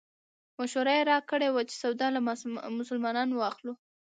مشوره یې راکړې وه چې سودا له مسلمانانو واخلو.